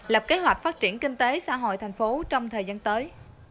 lập kế hoạch phát triển kinh tế xã hội thành phố trong thời gian tới